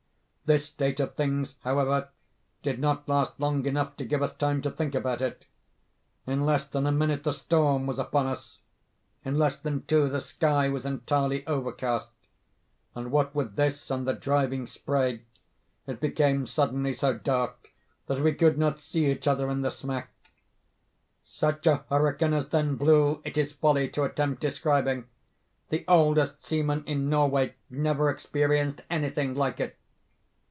This state of things, however, did not last long enough to give us time to think about it. In less than a minute the storm was upon us—in less than two the sky was entirely overcast—and what with this and the driving spray, it became suddenly so dark that we could not see each other in the smack. "Such a hurricane as then blew it is folly to attempt describing. The oldest seaman in Norway never experienced any thing like it.